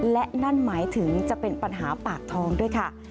และนั่นหมายถึงจะเป็นปัญหาปากท้องด้วยค่ะ